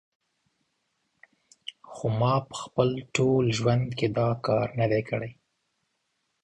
خو ما په خپل ټول ژوند کې دا کار نه دی کړی